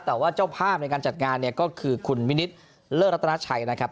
แต่ว่าเจ้าภาพในการจัดงานเนี่ยก็คือคุณวินิตเลิศรัตนาชัยนะครับ